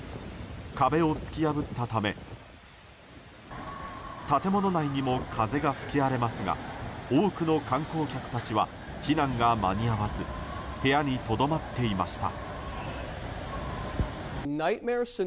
風を突き破ったため建物内にも風が吹き荒れますが多くの観光客たちは避難が間に合わず部屋にとどまっていました。